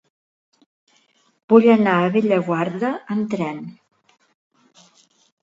Vull anar a Bellaguarda amb tren.